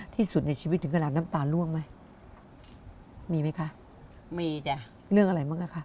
ที่สุดในชีวิตถึงขนาดน้ำตาล่วงไหมมีไหมคะมีจ้ะเรื่องอะไรบ้างอ่ะคะ